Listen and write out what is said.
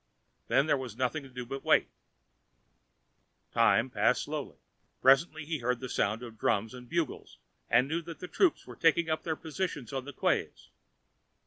Then there was nothing to do but to wait. The time passed slowly. Presently he heard the sound of drums and bugles, and knew that the troops were taking up their positions on the quays.